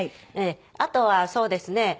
あとはそうですね。